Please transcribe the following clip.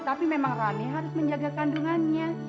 tapi memang rame harus menjaga kandungannya